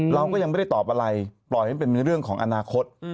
เราก็ยังไม่ได้ตอบอะไรปล่อยให้มันเป็นเรื่องของอนาคต